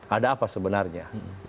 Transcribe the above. ada apa sebenarnya